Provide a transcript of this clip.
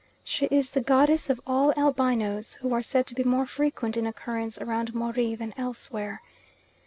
She is the goddess of all albinoes, who are said to be more frequent in occurrence round Moree than elsewhere.